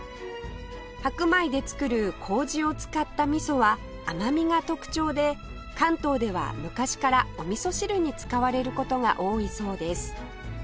白米で作る麹を使ったみそは甘みが特徴で関東では昔からおみそ汁に使われる事が多いそうです